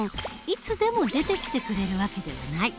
いつでも出てきてくれる訳ではない。